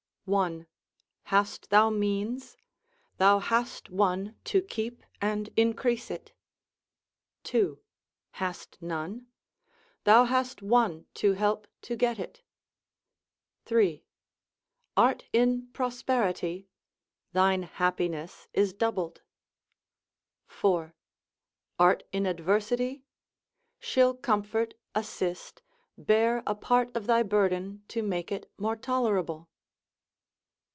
1. Hast thou means? thou hast none to keep and increase it.—2. Hast none? thou hast one to help to get it.—3. Art in prosperity? thine happiness is doubled.—4. Art in adversity? she'll comfort, assist, bear a part of thy burden to make it more tolerable.